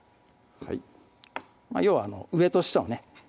要は上と下をね